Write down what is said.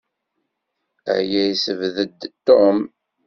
Aya yessebded Tom.